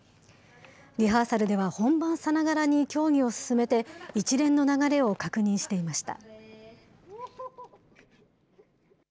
リハーサルでは、本番さながらに競技を進めて、一連の流れを確認していました。